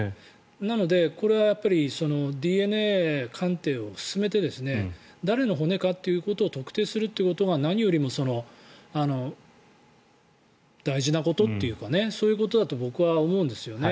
なので、これはやっぱりＤＮＡ鑑定を進めて誰の骨かということを特定するということが何よりも大事なことというかそういうことだと僕は思うんですよね。